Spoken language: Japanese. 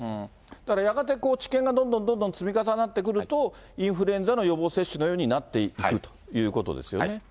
だからやがて治験がどんどんどんどん積み重なってくると、インフルエンザの予防接種のようになっていくということですよね。